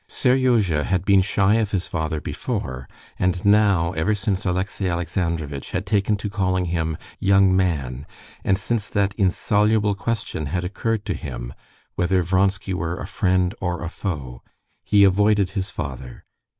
Seryozha had been shy of his father before, and now, ever since Alexey Alexandrovitch had taken to calling him young man, and since that insoluble question had occurred to him whether Vronsky were a friend or a foe, he avoided his father.